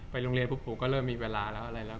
โรงเรียนปุ๊บผมก็เริ่มมีเวลาแล้วอะไรแล้ว